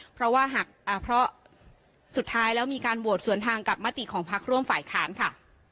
เพราะว่าหากเพราะสุดท้ายแล้วมีการโหวตสวนทางกับมติของพักร่วมฝ่ายค้านค่ะ